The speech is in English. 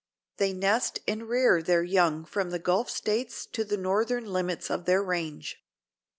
They nest and rear their young from the Gulf States to the northern limits of their range.